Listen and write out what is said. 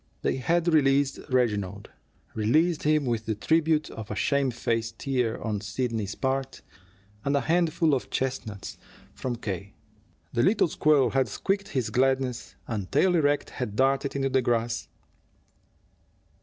They had released Reginald, released him with the tribute of a shamefaced tear on Sidney's part, and a handful of chestnuts from K. The little squirrel had squeaked his gladness, and, tail erect, had darted into the grass.